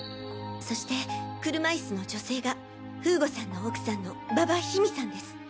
そして車イスの女性が風悟さんの奥さんの馬場緋美さんです。